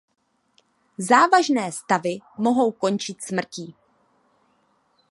Závažné stavy mohou končit smrtí.